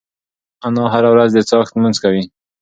انا هره ورځ د څاښت لمونځ کوي.